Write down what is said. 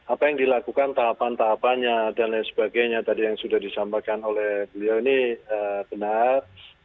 apa yang dilakukan tahapan tahapannya dan lain sebagainya tadi yang sudah disampaikan oleh beliau ini benar